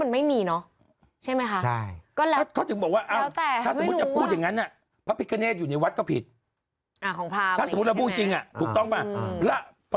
แต่นั่นมิ้นก็มองว่าพอสิวรึงมันก็เป็นของพราหมณ์อยู่ดีแล้ว